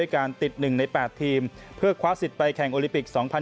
มาติดหนึ่งในแปดถีมเพื่อคว้าสิทธิ์ไปแข่งโอลิบิจสองพัน